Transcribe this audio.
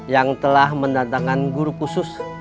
yang telah mendatangkan guru khusus